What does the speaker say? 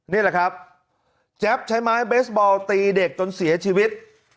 นี่แหละครับแจ๊บใช้ไม้เบสบอลตีเด็กจนเสียชีวิต